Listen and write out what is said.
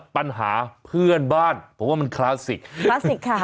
ปัญหาเพื่อนบ้านเพราะว่ามันคลาสสิกคลาสสิกค่ะ